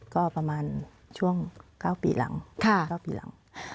ก็ประมาณช่วง๙๑๐ปีหลัง